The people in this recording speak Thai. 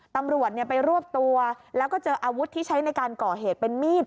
ตำรวจไปรวบตัวแล้วก็เจออาวุธที่ใช้ในการก่อเหตุเป็นมีด